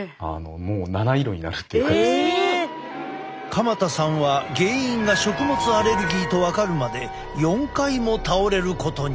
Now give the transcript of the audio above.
鎌田さんは原因が食物アレルギーと分かるまで４回も倒れることに。